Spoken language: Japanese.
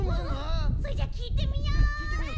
それじゃあきいてみよう！